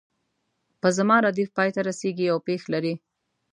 په زما ردیف پای ته رسیږي او پیښ لري.